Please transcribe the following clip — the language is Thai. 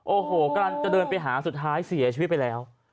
โอ้โหกำลังจะเดินไปหาสุดท้ายเสียชีวิตไปแล้ว